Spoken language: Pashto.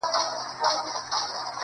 ډېر الله پر زړه باندي دي شـپـه نـه ده.